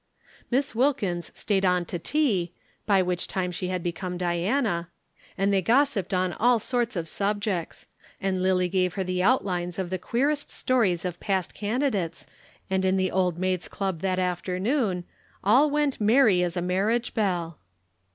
Miss Wilkins stayed on to tea (by which time she had become Diana) and they gossiped on all sorts of subjects, and Lillie gave her the outlines of the queerest stories of past candidates and in the Old Maids' Club that afternoon all went merry as a marriage bell.